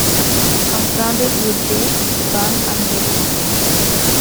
Confronted with this, the band admitted it.